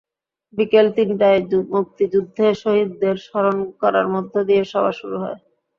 বিকেল তিনটায় মুক্তিযুদ্ধে শহীদদের স্মরণ করার মধ্য দিয়ে সভা শুরু হয়।